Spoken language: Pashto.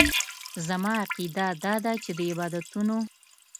زما عقیده داده چې د عبادتونو.